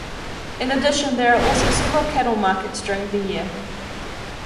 In addition, there are also several cattle markets during the year.